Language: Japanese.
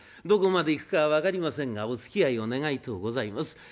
どこまでいくかは分かりませんがおつきあいを願いとうございます。